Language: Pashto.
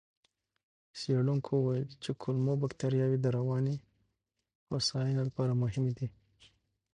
څېړونکو وویل چې کولمو بکتریاوې د رواني هوساینې لپاره مهمې دي.